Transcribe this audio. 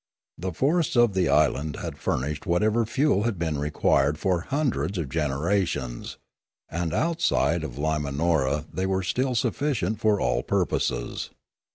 The forests of the islands had furnished whatever fuel had been required for hundreds of generations, and outside of L,imanora they Discoveries 3*5 were still sufficient for all purposes.